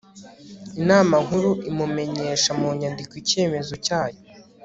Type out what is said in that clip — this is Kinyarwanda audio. inama nkuru imumenyesha mu nyandiko icyemezo cyayo